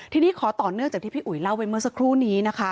ทีนี้ขอต่อเนื่องจากที่พี่อุ๋ยเล่าไปเมื่อสักครู่นี้นะคะ